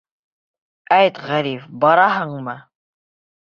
Әйт, Ғариф, бараһыңмы?